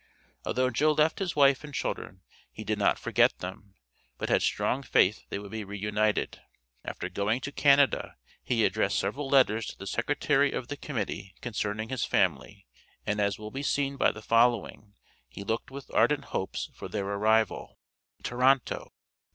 Although Joe left his wife and children, he did not forget them, but had strong faith they would be reunited. After going to Canada, he addressed several letters to the Secretary of the Committee concerning his family, and as will be seen by the following, he looked with ardent hopes for their arrival: TORONTO, Nov.